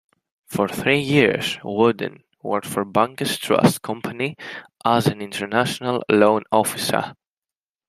For three years, WuDunn worked for Bankers Trust Company as an international loan officer.